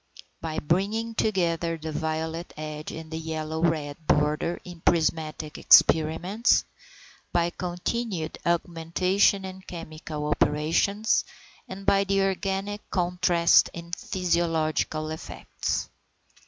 By bringing together the violet edge and yellow red border in prismatic experiments, by continued augmentation in chemical operations, and by the organic contrast in physiological effects.